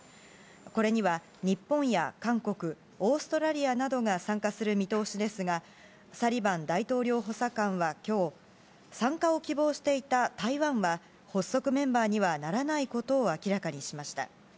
これには日本や韓国、オーストラリアなどが参加する見通しですが、サリバン大統領補佐官はきょう、参加を希望していた台湾は、発足メンバーにはならないことを明らかにしました。